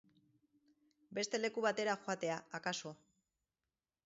Beste leku batera joatea, akaso.